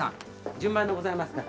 順番でございますから。